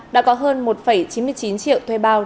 đã có hơn một chín mươi chín triệu thuê bao